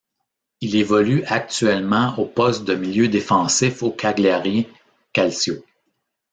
Il évolue actuellement au poste de milieu défensif au Cagliari Calcio.